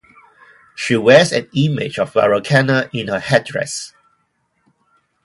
She wears an image of Vairocana in her headdress.